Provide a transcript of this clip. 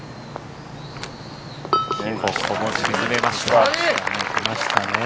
ここも沈めました。